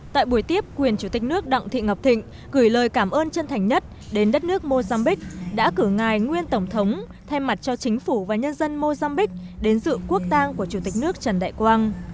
tại buổi tiếp quyền chủ tịch nước đặng thị ngọc thịnh gửi lời cảm ơn chân thành nhất đến đất nước mozambiq đã cử ngài nguyên tổng thống thay mặt cho chính phủ và nhân dân mozambique đến dự quốc tang của chủ tịch nước trần đại quang